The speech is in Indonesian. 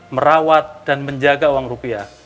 merawat dan menjaga uang rupiah